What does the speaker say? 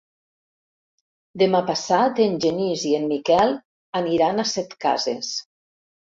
Demà passat en Genís i en Miquel aniran a Setcases.